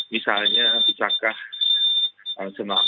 misalnya bisakah semaa umroh